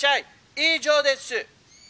以上です」。